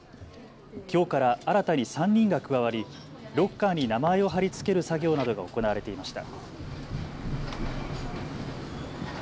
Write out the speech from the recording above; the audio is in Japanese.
きょうから新たに３人が加わりロッカーに名前を貼り付ける作業などが行われていました。